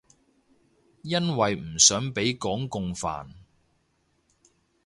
因為唔想畀港共煩